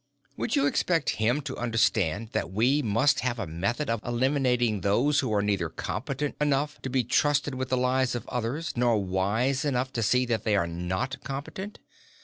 Would you expect him to understand that we must have a method of eliminating those who are neither competent enough to be trusted with the lives of others nor wise enough to see that they are not competent?